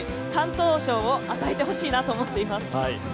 敢闘賞を与えてほしいなと思っています。